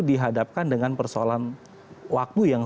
dihadapkan dengan persoalan waktu yang